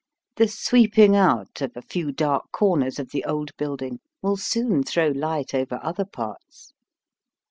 The sweeping out of a few dark corners of the old building will soon throw light over other parts.